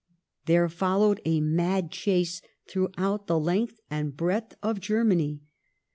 There followed a mad chase throughout the length and breadth of Germany.